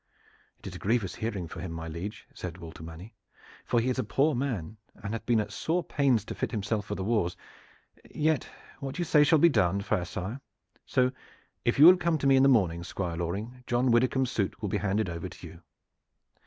"It is a grievous hearing for him, my liege," said Walter Manny; "for he is a poor man and hath been at sore pains to fit himself for the wars. Yet what you say shall be done, fair sire. So, if you will come to me in the morning, Squire Loring, John Widdicombe's suit will be handed over to you."